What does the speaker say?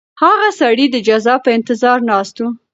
هغه سړی د جزا په انتظار ناست و.